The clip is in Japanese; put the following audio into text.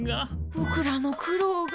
ぼくらの苦労が。